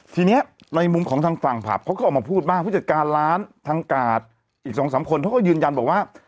ทีนี้ในมุมของทางฝั่งผับเขาก็ออกมาพูดบ้างผู้จัดการร้านทางกาดอีกสองสามคนเขาก็ยืนยันบอกว่า